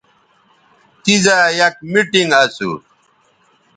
تیزا یک میٹنگ اسو